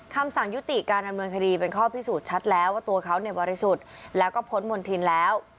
คำสั่งยุติการดำเนินคดีเป็นข้อพิสูจน์ชัดแล้วว่าตัวเขาเนี่ยบริสุทธิ์แล้วก็พ้นมณฑินแล้ว